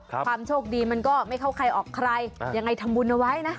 ความโชคดีมันก็ไม่เข้าใครออกใครยังไงทำบุญเอาไว้นะ